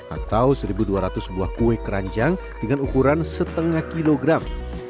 atau satu dua ratus buah kue keranjang dengan ukuran setengah kilogram